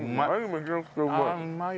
めちゃくちゃうまい。